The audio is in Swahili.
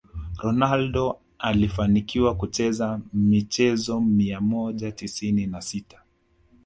Ronaldo alifanikiwa kucheza michezo mia moja tisini na sita